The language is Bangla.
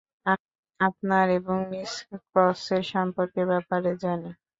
আমি আপনার এবং মিস ক্রসের সম্পর্কের ব্যাপারে জানি।